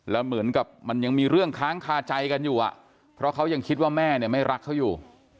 แล้วเหมือนกับมันยังมีเรื่องค้างคาใจกันอยู่อ่ะเพราะเขายังคิดว่าแม่เนี่ยไม่รักเขาอยู่